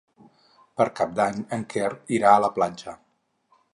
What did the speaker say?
Per Cap d'Any en Quer irà a la platja.